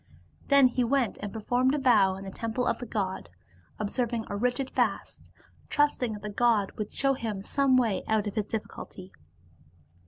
Then he went and performed a vow in the temple of the god, ob serving a rigid fast, trusting that the god would show him some way out of his difficulty.